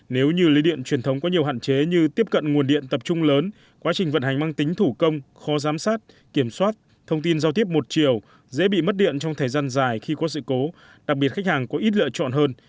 nếu như lưới điện truyền thống có nhiều hạn chế như tiếp cận nguồn điện tập trung lớn quá trình vận hành mang tính thủ công khó giám sát kiểm soát thông tin giao tiếp một chiều dễ bị mất điện trong thời gian dài khi có sự cố đặc biệt khách hàng có ít lựa chọn hơn